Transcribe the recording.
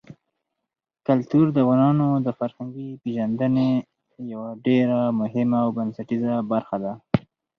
کلتور د افغانانو د فرهنګي پیژندنې یوه ډېره مهمه او بنسټیزه برخه ده.